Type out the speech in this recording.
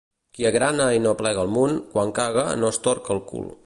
Qui agrana i no plega el munt, quan caga no es torca el cul.